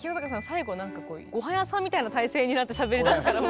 最後なんかこうご飯屋さんみたいな体勢になってしゃべりだすからもう。